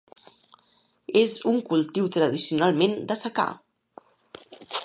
És un cultiu tradicionalment de secà.